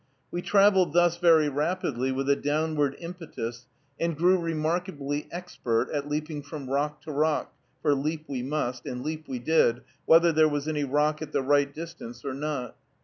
We traveled thus very rapidly with a downward impetus, and grew remarkably expert at leaping from rock to rock, for leap we must, and leap we did, whether there was any rock at the right distance or not.